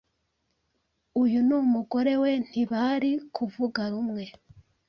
uyu n’umugore we ntibari kuvuga rumwe